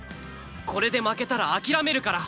これで負けたら諦めるから！